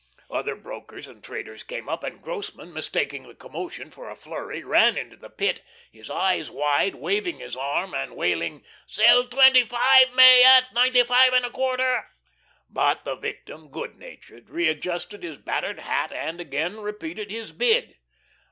Other brokers and traders came up, and Grossmann, mistaking the commotion for a flurry, ran into the Pit, his eyes wide, waving his arm and wailing: "'Sell twenty five May at ninety five and a quarter." But the victim, good natured, readjusted his battered hat, and again repeated his bid.